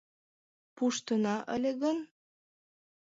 — Пуштына ыле гын?